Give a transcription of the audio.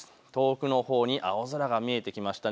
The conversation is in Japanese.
遠くのほうに青空が見えてきました。